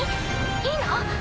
いいの？